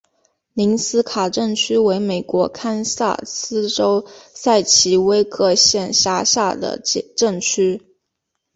宁斯卡镇区为美国堪萨斯州塞奇威克县辖下的镇区。